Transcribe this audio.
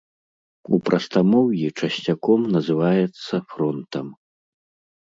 У прастамоўі часцяком называецца фронтам.